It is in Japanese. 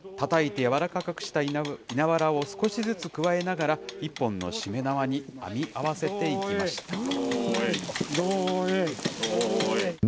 たたいて柔らかくした稲わらを少しずつ加えながら、一本のしめ縄に編み合わせていきました。